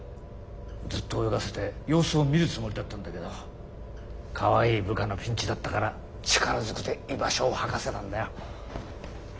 ずっと泳がせて様子を見るつもりだったんだけどかわいい部下のピンチだったから力ずくで居場所を吐かせたんだよ。